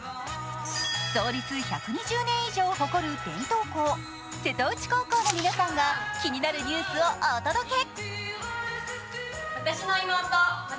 創立１２０年以上を誇る伝統校・瀬戸内高校の皆さんが気になるニュースをお届け。